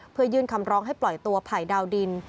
เพื่อยื่นคำร้องให้ปล่อยตัวไผ่ดาวดิน